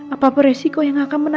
apa beresiko yang akan berlaku